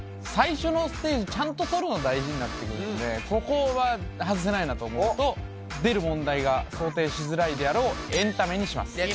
最初のステージちゃんととるの大事になってくるのでここははずせないなと思うと出る問題が想定しづらいであろうエンタメにします